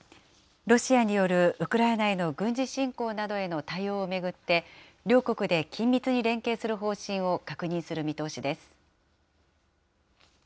ロシアによるウクライナへの軍事侵攻などへの対応を巡って、両国で緊密に連携する方針を確認する見通しです。